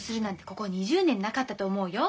ここ２０年なかったと思うよ。